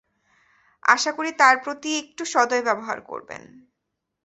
আশা করি, তার প্রতি একটু সদয় ব্যবহার করবেন।